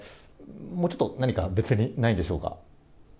もうちょっと何か、別にないんでしょうか？